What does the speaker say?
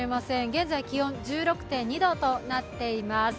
現在気温１６．２度となっています。